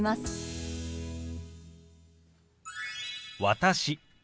「私」